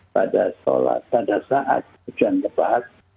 pada sholat pada saat hujan lebat